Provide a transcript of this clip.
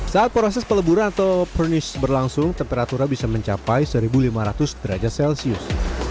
saat proses peleburan atau pernish berlangsung temperatura bisa mencapai seribu lima ratus derajat celcius